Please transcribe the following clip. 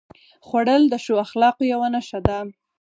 خوړل د ښو اخلاقو یوه نښه ده